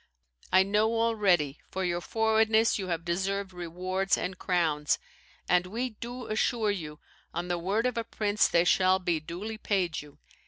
I know already for your forwardness you have deserved rewards and crowns; and we do assure you, on the word of a prince, they shall be duly paid you.